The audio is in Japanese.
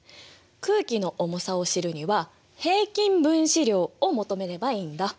空気の重さを知るには平均分子量を求めればいいんだ。